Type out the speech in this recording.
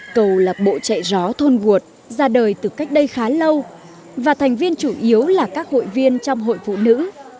cầu lạc bộ chạy gió thôn nguột ra đời từ cách đây khá lâu và thành viên chủ yếu là các hội viên trong hội phụ nữ